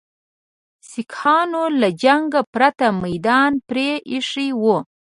سیکهانو له جنګه پرته میدان پرې ایښی وو.